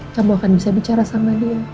kamu akan bisa bicara sama dia